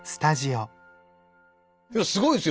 いやすごいですよ